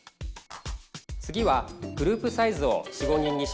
次はグループサイズを４５人にします。